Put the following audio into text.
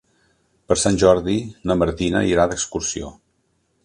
Per Sant Jordi na Martina irà d'excursió.